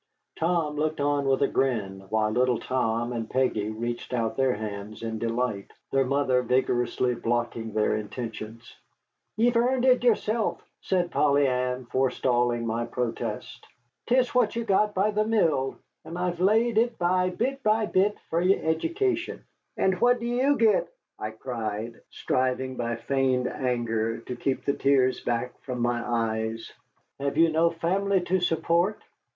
Tom looked on with a grin, while little Tom and Peggy reached out their hands in delight, their mother vigorously blocking their intentions. "Ye've earned it yerself," said Polly Ann, forestalling my protest; "'tis what ye got by the mill, and I've laid it by bit by bit for yer eddication." "And what do you get?" I cried, striving by feigned anger to keep the tears back from my eyes. "Have you no family to support?"